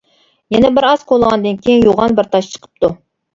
يەنە بىر ئاز كولىغاندىن كېيىن يوغان بىر تاش چىقىپتۇ.